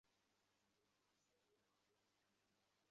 এতকাল নন্দলাল রাগ করিয়া ছিল, ভালো কথা, তাহার দোষ নাই।